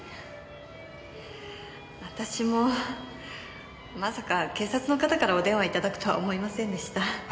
私もまさか警察の方からお電話頂くとは思いませんでした。